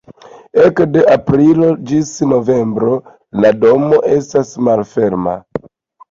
Ekde aprilo ĝis novembro la domo estas malferma.